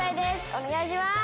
お願いします！